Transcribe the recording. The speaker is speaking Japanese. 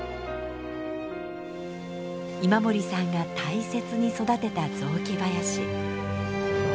今森さんが大切に育てた雑木林。